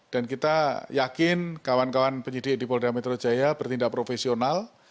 dan kita yakin kawan kawan penyidik di polda metro jaya bertindak profesional